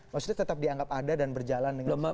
maksudnya tetap dianggap ada dan berjalan dengan